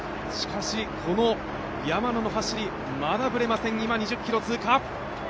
しかし、山野の走りまだぶれません、２０ｋｍ通過。